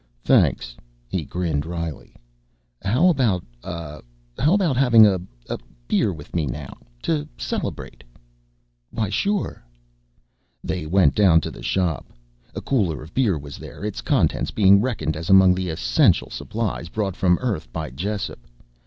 "Thanks," he grinned wryly. "How about uh how about having a a b beer with me now? To celebrate." "Why, sure." They went down to the shop. A cooler of beer was there, its contents being reckoned as among the essential supplies brought from Earth by Jessup.